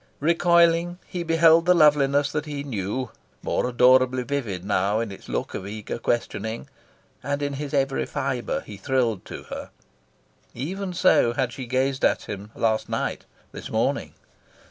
Recoiling, he beheld the loveliness that he knew more adorably vivid now in its look of eager questioning. And in his every fibre he thrilled to her. Even so had she gazed at him last night, this morning.